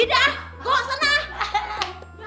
pergi dah go senang